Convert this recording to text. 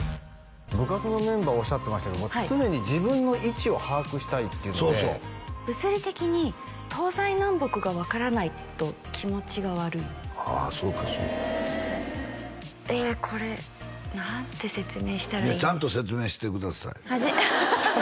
部活のメンバーおっしゃってましたけども常に自分の位置を把握したいっていうので物理的に東西南北が分からないと気持ちが悪いああそうかそうかえこれ何て説明したらいやちゃんと説明してください